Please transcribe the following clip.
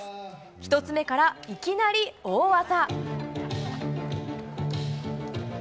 １つ目からいきなり大技。